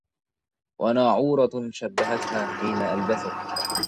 وناعورة شبهتها حين ألبست